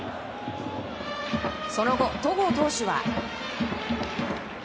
その後、戸郷投手は。